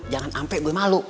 jangan sampai gue malu